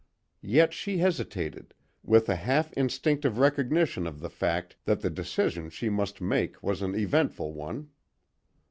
Yet she hesitated, with a half instinctive recognition of the fact that the decision she must make was an eventful one.